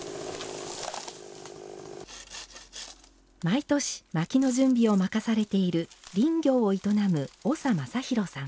毎年、まきの準備を任されている林業を営む長正博さん。